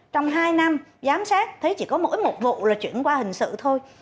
trong hai năm giám sát thấy chỉ có mỗi một vụ là chuyển qua hình sự thôi